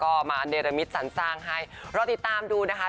ก็มาเนรมิตสันสร้างให้รอติดตามดูนะคะ